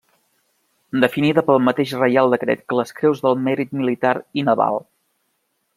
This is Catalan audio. Definida pel mateix Reial decret que les Creus del Mèrit Militar i Naval.